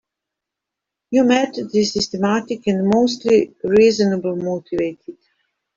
Your method is systematic and mostly reasonably motivated.